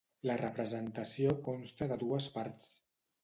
La representació consta de dues parts.